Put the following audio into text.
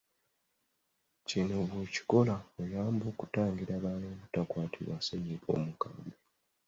Kino bw’okikola, oyamba okutangira abalala obutakwatibwa ssennyiga omukambwe.